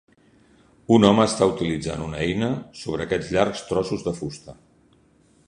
Un home està utilitzant una eina sobre aquestes llargs trossos de fusta.